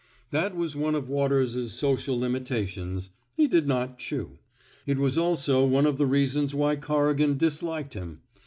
That was one of Waters 's social limita tions — he did not chew. It was also one of the reasons why Corrigan disliked him.